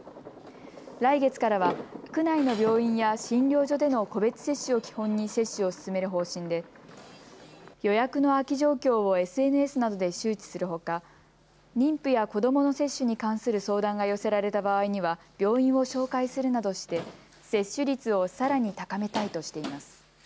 来月からは区内の病院や診療所での個別接種を基本に接種を進める方針で予約の空き状況をＳＮＳなどで周知するほか妊婦や子どもの接種に関する相談が寄せられた場合には病院を紹介するなどして接種率をさらに高めたいとしています。